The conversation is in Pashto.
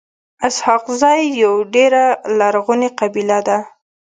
اسحق زی يوه ډيره لرغوني قبیله ده.